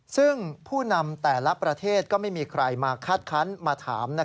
ซึ่งผู้นำแต่ละประเทศก็ไม่มีใครมาคาดคันมาถาม